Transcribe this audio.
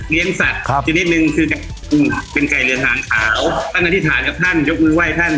เลี้ยงสัตว์ครับชีวิตนึงคือเป็นไก่เรืองหางขาวตั้งแต่ทิศาลกับท่านยกมือไหว้ท่าน